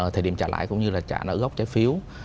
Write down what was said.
thời điểm trả lãi cũng như là trả nợ gốc trái phiếu